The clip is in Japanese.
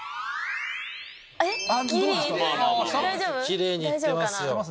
キレイにいってますよ。